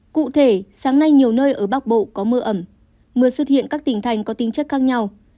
cụ thể sáng nay nhiều nơi ở bắc bộ có mưa ẩm mưa xuất hiện các tỉnh thành có tính chất khác nhau